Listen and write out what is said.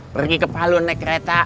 pergi ke palu naik kereta